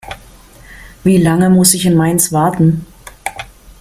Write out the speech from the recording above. Wie lange muss ich in Mainz warten?